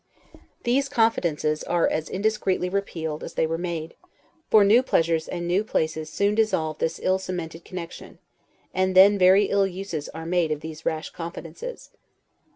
These confidences are as indiscreetly repealed as they were made; for new pleasures and new places soon dissolve this ill cemented connection; and then very ill uses are made of these rash confidences.